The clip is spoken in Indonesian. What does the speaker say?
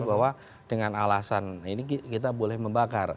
bahwa dengan alasan ini kita boleh membakar